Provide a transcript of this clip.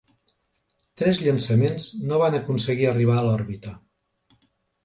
Tres llançaments no van aconseguir arribar a l'òrbita.